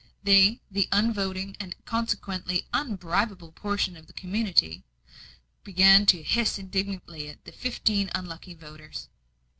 They, the un voting, and consequently unbribable portion of the community, began to hiss indignantly at the fifteen unlucky voters.